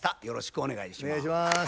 よろしくお願いします。